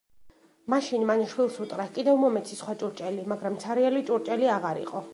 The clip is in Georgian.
მაშინ მან შვილს უთხრა, კიდევ მომეცი სხვა ჭურჭელი, მაგრამ ცარიელი ჭურჭელი აღარ იყო.